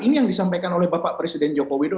ini yang disampaikan oleh bapak presiden joko widodo